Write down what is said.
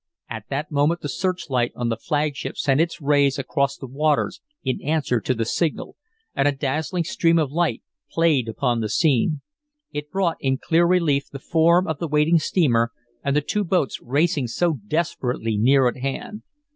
At that moment the searchlight on the flagship sent its rays across the waters in answer to the signal, and a dazzling stream of light played upon the scene. It brought in clear relief the form of the waiting steamer, and the two boats racing so desperately near at hand.